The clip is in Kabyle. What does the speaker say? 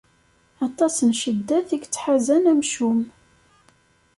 Aṭas n cceddat i yettḥazen amcum.